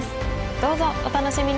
どうぞお楽しみに！